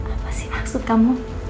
apa sih maksud kamu